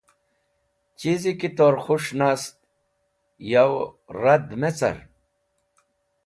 Chizi ki tor k̃hus̃h nast yo rad me car.